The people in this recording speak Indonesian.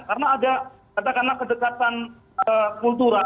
karena ada katakanlah kedekatan kultural